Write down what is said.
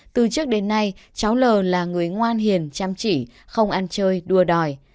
từ trước đến nay cháu l là người ngoan hiền chăm chỉ không ăn chơi đua đòi